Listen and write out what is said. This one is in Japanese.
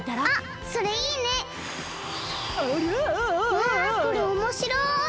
わこれおもしろい！